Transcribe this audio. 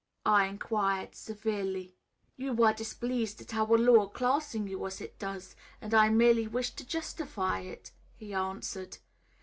I inquired severely. "You were displeased at our law classing you as it does, and I merely wish to justify it," he answered.